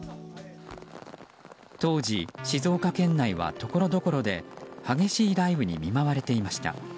当時、静岡県内はところどころで激しい雷雨に見舞われていました。